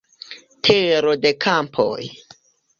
Tero de Kampoj.